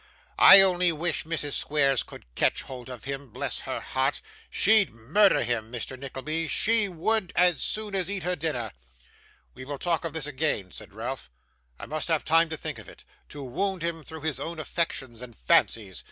I only wish Mrs. Squeers could catch hold of him. Bless her heart! She'd murder him, Mr. Nickleby she would, as soon as eat her dinner.' 'We will talk of this again,' said Ralph. 'I must have time to think of it. To wound him through his own affections and fancies